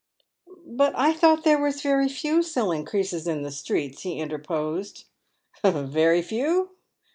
"But I thought there was very few selling creases in the streets r" he interposed. " Yery few